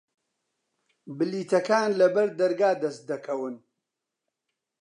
بلیتەکان لە بەردەرگا دەست دەکەون.